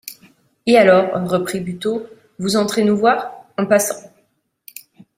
Et alors, reprit Buteau, vous entrez nous voir, en passant ?